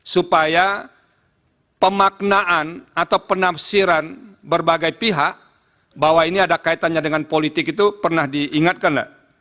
supaya pemaknaan atau penafsiran berbagai pihak bahwa ini ada kaitannya dengan politik itu pernah diingatkan nggak